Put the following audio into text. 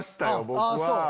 僕は。